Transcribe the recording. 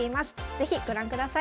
是非ご覧ください。